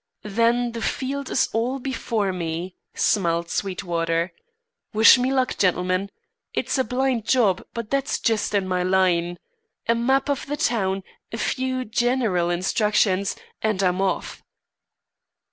"Then the field is all before me," smiled Sweetwater. "Wish me luck, gentlemen. It's a blind job, but that's just in my line. A map of the town, a few general instructions, and I'm off."